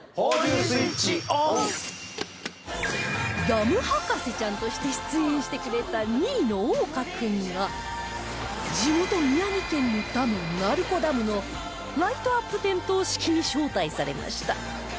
ダム博士ちゃんとして出演してくれた新野央果君が地元宮城県のダム鳴子ダムのライトアップ点灯式に招待されました